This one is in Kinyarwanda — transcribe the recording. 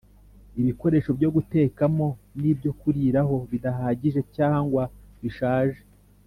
ibikoresho byo gutekamo n ibyo kuriraho bidahagije cyangwa bishaje